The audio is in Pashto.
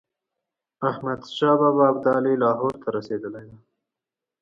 احمدشاه ابدالي لاهور ته رسېدلی دی.